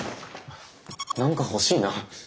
何か欲しいな。